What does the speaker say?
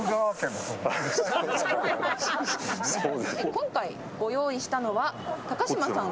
今回ご用意したのは高嶋さん